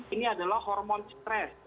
ini adalah hormon stres